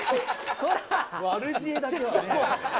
悪知恵だけはね。